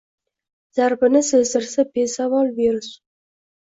Zarbini sezdirsa bezavol virus.